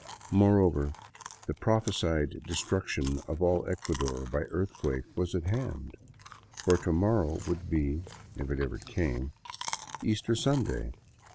Moreover, the prophesied destruction of all Ecuador by earthquake was at hand, for the morrow would be — if it ever came — Easter Sunday.